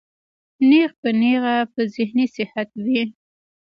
نېغ پۀ نېغه پۀ ذهني صحت وي